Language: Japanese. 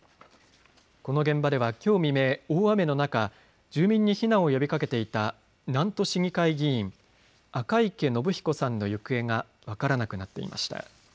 この現場ではきょう未明、大雨の中、住民に避難を呼びかけていた南砺市議会議員、赤池伸彦さんの行方が分からなくなっていました。